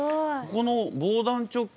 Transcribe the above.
この防弾チョッキ